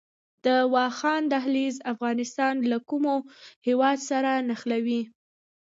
د واخان دهلیز افغانستان له کوم هیواد سره نښلوي؟